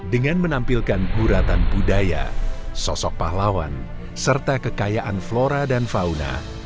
dengan menampilkan buratan budaya sosok pahlawan serta kekayaan flora dan fauna